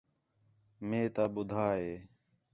مئے تا ٻُدّھا ہِے